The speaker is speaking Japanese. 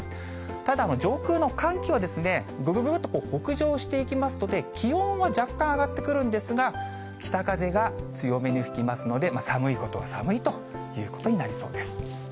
ただ、上空の寒気は、ぐぐぐっと北上していきますので、気温は若干上がってくるんですが、北風が強めに吹きますので、寒いことは寒いということになりそうです。